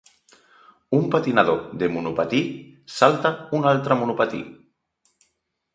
Un patinador de monopatí salta un altre monopatí.